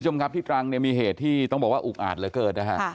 พี่จมครับที่กรังมีเหตุที่ต้องบอกว่าอุกอาจเหลือเกิด